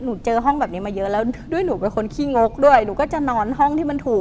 เจอห้องแบบนี้มาเยอะแล้วด้วยหนูเป็นคนขี้งกด้วยหนูก็จะนอนห้องที่มันถูก